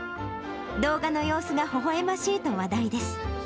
動画の様子がほほえましいと話題です。